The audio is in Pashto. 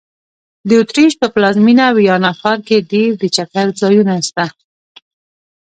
د اوترېش په پلازمېنه ویانا ښار کې ډېر د چکر ځایونه سته.